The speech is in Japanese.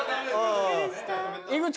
びっくりした。